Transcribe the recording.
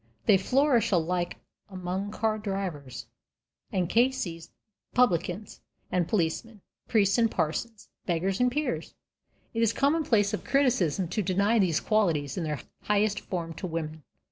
They flourish alike among car drivers and K.C.'s, publicans and policemen, priests and parsons, beggars and peers. It is a commonplace of criticism to deny these qualities in their highest form to women.